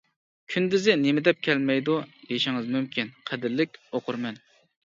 كۈندۈزى نېمە دەپ كەلمەيدۇ؟ دېيىشىڭىز مۇمكىن، قەدىرلىك ئوقۇرمەن.